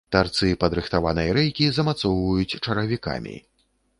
Тарцы падрыхтаванай рэйкі замацоўваюць чаравікамі.